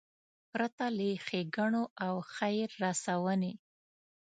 پرته له ښېګړو او خیر رسونې.